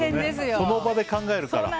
その場で考えるから。